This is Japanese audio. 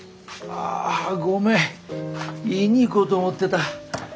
あごめん言いに行こうと思ってた。